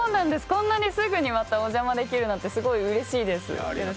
こんなにすぐにまたお邪魔できるなんてすごいうれしいです。